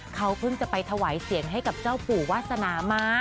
เขาเพิ่งจะไปถวายเสียงให้กับเจ้าปู่วาสนามา